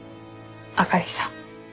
あかりさん。